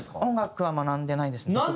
音楽は学んでないです。